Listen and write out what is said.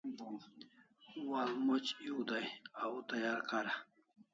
Walmoc ew day, au tayar kara